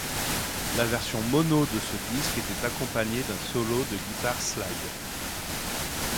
La version mono de ce disque était accompagnée d'un solo de guitare slide.